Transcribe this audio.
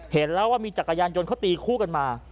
เห็นแล้วว่ามีจักรยานยนต์เขาตีคู่กันมา